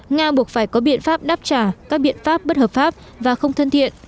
nga buộc phải có biện pháp đáp trả các biện pháp bất hợp pháp và không thân thiện